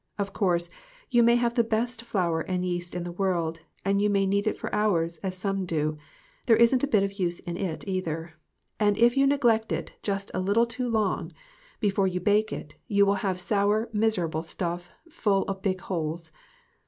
Of course, you may have the best flour and yeast in the world, and you may knead it for hours, as some do there isn't a bit of use in it, either and if you neglect it just a little too long before you 30 GOOD BREAD AND GOOD MEETINGS. bake it, you will have sour, miserable stuff, full of big holes.